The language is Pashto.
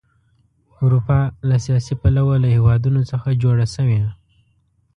اروپا له سیاسي پلوه له هېوادونو څخه جوړه شوې.